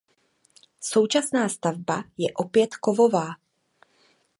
Současná stavba je opět kovová.